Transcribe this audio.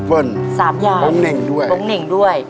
แพนด้วย